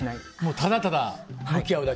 ただただ向き合うだけ？